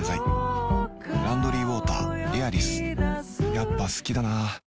やっぱ好きだな